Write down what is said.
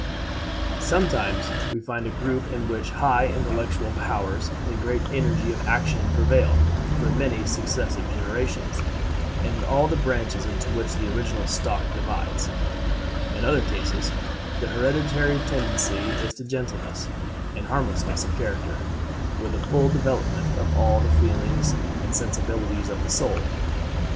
Sometimes we find a group in which high intellectual powers and great energy of action prevail for many successive generations, and in all the branches into which the original stock divides; in other cases, the hereditary tendency is to gentleness and harmlessness of character, with a full development of all the feelings and sensibilities of the soul.